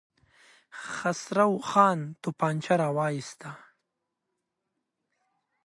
خسرو خان توپانچه را وايسته.